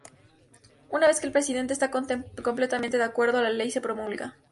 Una vez que el Presidente está completamente de acuerdo, la ley se promulga.